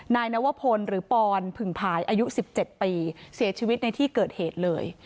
นายนวพลหรือปอนผึ่งผายอายุ๑๗ปีเสียชีวิตในที่เกิดเหตุเลย